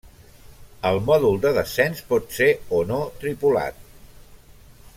El mòdul de descens pot ser o no tripulat.